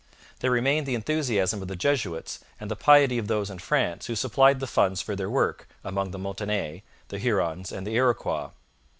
There remained the enthusiasm of the Jesuits and the piety of those in France who supplied the funds for their work among the Montagnais, the Hurons, and the Iroquois.